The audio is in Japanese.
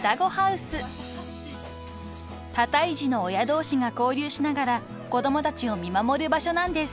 ［多胎児の親同士が交流しながら子供たちを見守る場所なんです］